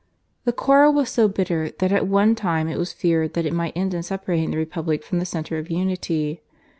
The quarrel was so bitter that at one time it was feared that it might end in separating the republic from the centre of unity.